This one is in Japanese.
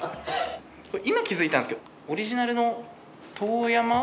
今気づいたんですけどオリジナルのトーヤマ？